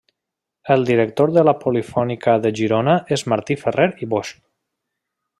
El director de la Polifònica de Girona és Martí Ferrer i Bosch.